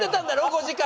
５時間。